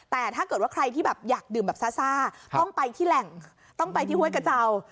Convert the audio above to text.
แต่ถ้าเกิดว่าใครที่แบบอยากดื่มแบบซ่าต้องไปที่แหล่งต้องไปที่ห้วยกระเจ้า